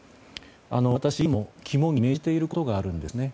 私いつも、肝に銘じていることがあるんですね。